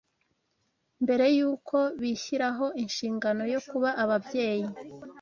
Mbere y’uko bishyiraho inshingano yo kuba ababyeyi